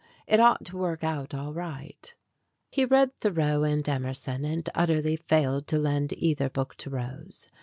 It ought to work out all right. He read Thoreau and Emerson, and utterly failed to lend either book to Rose.